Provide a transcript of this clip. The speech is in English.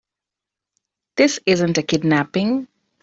This isn't a kidnapping.